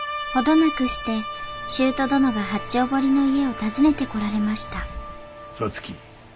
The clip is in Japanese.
なくして舅殿が八丁堀の家を訪ねてこられました皐月。